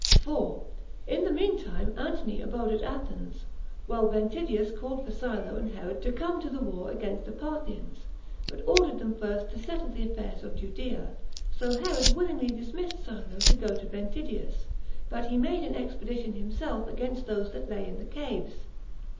4. In the mean time Antony abode at Athens, while Ventidius called for Silo and Herod to come to the war against the Parthians, but ordered them first to settle the affairs of Judea; so Herod willingly dismissed Silo to go to Ventidius, but he made an expedition himself against those that lay in the caves.